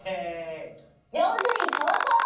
じょうずにかわそう！